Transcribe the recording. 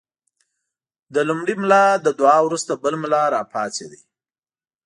د لومړي ملا له دعا وروسته بل ملا راپاڅېد.